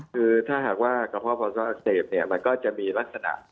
คือถ้าหากว่ากระเพาะปอนก็อักเสบเนี่ยมันก็จะมีลักษณะ